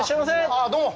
ああ、どうも。